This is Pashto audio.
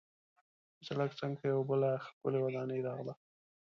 د سړک څنګ ته یوه بله ښکلې ودانۍ راغله.